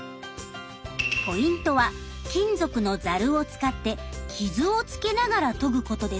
ポイントは金属のザルを使ってキズをつけながらとぐことです。